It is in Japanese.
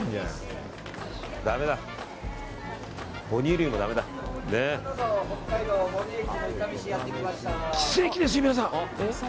ダメだ、哺乳類もダメだ。奇跡ですよ、皆さん！